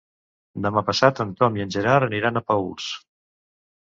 Demà passat en Tom i en Gerard aniran a Paüls.